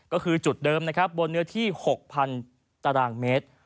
ก็คือจุดเดิมบนเนื้อที่๖๐๐๐ตระดังเมตร